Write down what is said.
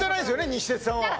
西鉄さんはだ